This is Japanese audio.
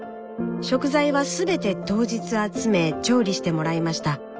食材はすべて当日集め調理してもらいました。